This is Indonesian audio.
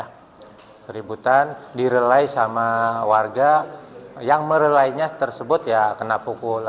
hai ributan direlay sama warga yang merelaynya tersebut ya kena pukul